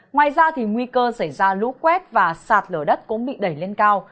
ngoài ra nguy cơ xảy ra lũ quét và sạt lở đất cũng bị đẩy lên cao